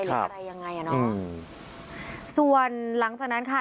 หรืออะไรยังไงอ่ะเนอะส่วนหลังจากนั้นค่ะ